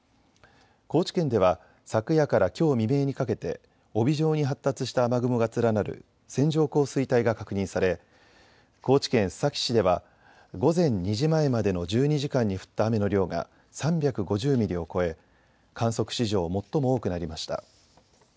高知県では昨夜からきょう未明にかけて帯状に発達した雨雲が連なる線状降水帯が確認され高知県須崎市では午前２時前までの１２時間に降った雨の量が３５０ミリを超え観測史上、最も多くなりました。